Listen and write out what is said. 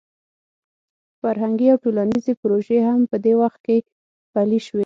فرهنګي او ټولنیزې پروژې هم په دې وخت کې پلې شوې.